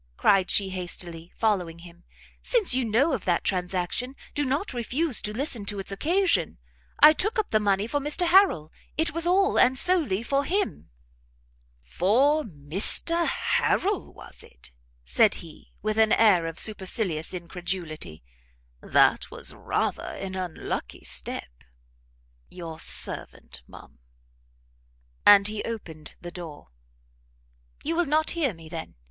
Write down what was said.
cried she hastily, following him; "since you know of that transaction, do not refuse to listen to its occasion; I took up the money for Mr Harrel; it was all, and solely for him." "For Mr Harrel, was it?" said he, with an air of supercilious incredulity; "that was rather an unlucky step. Your servant, ma'am." And he opened the door. "You will not hear me, then?